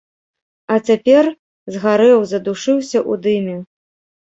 А цяпер згарэў, задушыўся ў дыме.